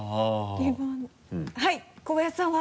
はい小林さんは？